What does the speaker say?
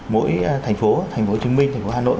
mỗi thành phố thành phố thương minh thành phố hà nội